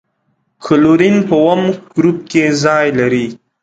کلورین په اووم ګروپ کې ځای لري.